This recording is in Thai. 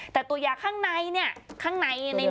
แต่ตัวยาข้างในนี้